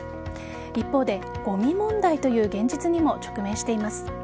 一方で、ごみ問題という現実にも直面しています。